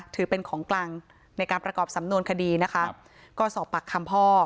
ถือเป็นของกลางในการประกอบสำนวนคดีนะคะก็สอบปากคำพ่อ